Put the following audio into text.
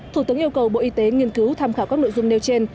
thủ tướng yêu cầu bộ y tế nghiên cứu tham khảo các nội dung nêu trên